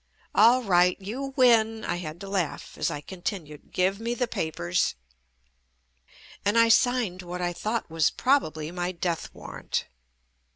"All right, you win," I had to laugh as I con tinued. "Give me the papers." And I signed what I thought was probably my death war rant.